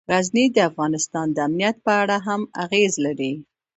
غزني د افغانستان د امنیت په اړه هم اغېز لري.